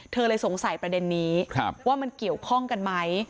เธอเลยสงสัยประเด็นนี้ว่ามันเกี่ยวข้องกันไหม